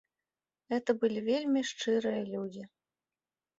Гэта былі вельмі шчырыя людзі.